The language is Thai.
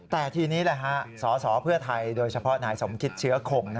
แต่ทีนี้นะฮะสอสอเพื่อไทยโดยเฉพาะหน่ายสมศิษฐ์เชื้อโค่ง